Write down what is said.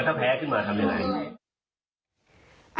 ก็คือข้อความเหล่านี้นะคะ